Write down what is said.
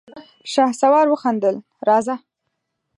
شهسوار وخندل: راځه!